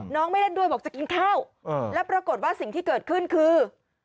ไม่เล่นด้วยบอกจะกินข้าวแล้วปรากฏว่าสิ่งที่เกิดขึ้นคือ